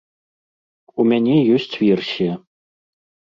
У мяне ёсць версія.